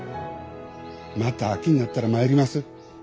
また秋になったら参ります。